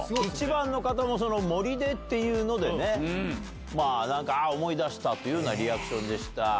１番の方も「森で」っていうのであっ思い出した！というようなリアクションでした。